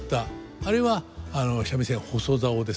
あれは三味線細棹ですね。